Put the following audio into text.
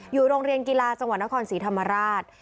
อยู่โรงเรียนกีฬาจังหวัดนครศรีธรรมราช